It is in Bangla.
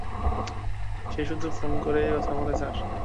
সে শুধু ফোনেই কথা বলে, স্যার।